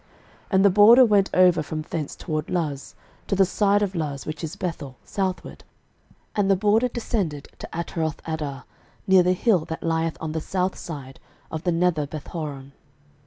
06:018:013 And the border went over from thence toward Luz, to the side of Luz, which is Bethel, southward; and the border descended to Atarothadar, near the hill that lieth on the south side of the nether Bethhoron.